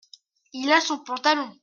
Il a son pantalon.